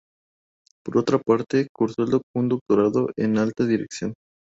Por otra parte, cursó un doctorado en Alta Dirección.